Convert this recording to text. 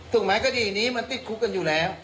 ถูกไหมคดีนี้มันติดคุกกันอยู่แล้ว